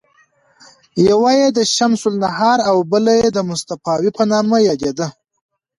یوه یې د شمس النهار او بله د مصطفاوي په نامه یادېده.